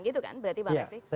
gitu kan berarti pak mestri